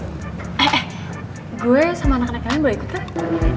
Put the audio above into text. eh eh gue sama anak anak kalian boleh ikut kan